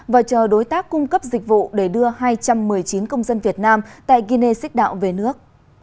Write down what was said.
và chờ đối tác cung cấp dịch vụ để đưa hai trăm một mươi chín công dân việt nam tại guinea xích đạo về nước